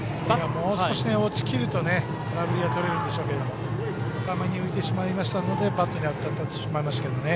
もう少し落ちきると空振りがとれるんでしょうけど高めに浮いてしまいましたのでバットに当たってしまいました。